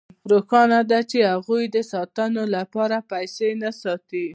روښانه ده چې هغوی د ساتلو لپاره پیسې نه ساتي